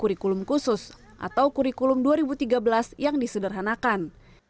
kurikulum khusus atau kurikulum dua ribu tiga belas yang disederhanakan